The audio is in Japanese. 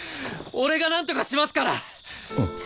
俺がなんとかしますから！